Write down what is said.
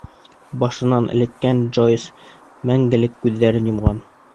Башына эләккән Джойс мәңгелеккә күҙҙәрен йомған.